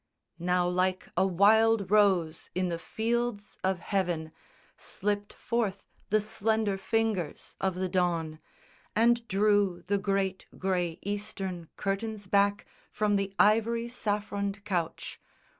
Now like a wild rose in the fields of heaven Slipt forth the slender fingers of the Dawn, And drew the great grey Eastern curtains back From the ivory saffroned couch.